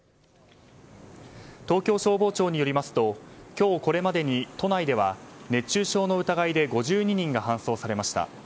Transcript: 東京消防庁によりますと今日これまでに都内では、熱中症の疑いで５２人が搬送されました。